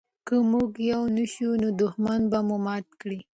که موږ یو نه شو نو دښمن به مو مات کړي.